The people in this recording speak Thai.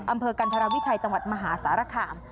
อำเภอกันธรวิชัยจังหวัดมหาสารคาม